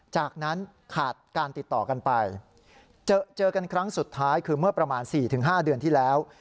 จากนั้นขาดการติดต่อกันไปเจอกันครั้งสุดท้ายคือเมื่อประมาณ๔๕เดือนที่แล้ว